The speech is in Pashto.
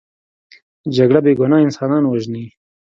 جګړه بې ګناه انسانان وژني